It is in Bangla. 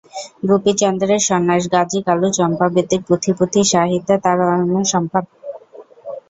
গুপিচন্দ্রের সন্ন্যাস, গাজী কালু চম্পাবতীর পুঁথি পুঁথি সাহিত্যে তাঁর অনন্য সম্পাদনা।